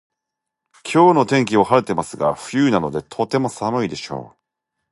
今日の天気は晴れてますが冬なのでとても寒いでしょう